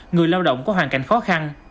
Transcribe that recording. người lao động có hoàn cảnh khó khăn